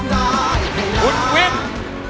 คุณวิทย์ร้องได้